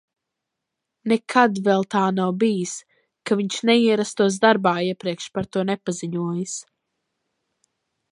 Nekad vēl tā nav bijis, ka viņš neierastos darbā, iepriekš par to nepaziņojis.